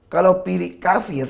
kalau pilih kafir